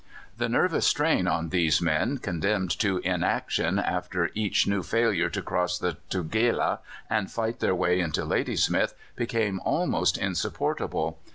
The nervous strain on these men, condemned to inaction after each new failure to cross the Tugela and fight their way into Ladysmith, became almost insupportable.